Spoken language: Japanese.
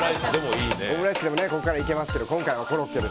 オムライスでも、ここからいけますけど、今回はコロッケで。